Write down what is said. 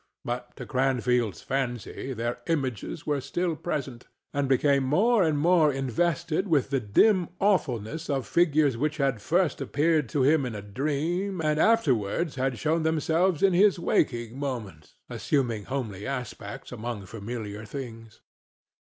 But to Cranfield's fancy their images were still present, and became more and more invested with the dim awfulness of figures which had first appeared to him in a dream, and afterward had shown themselves in his waking moments, assuming homely aspects among familiar things.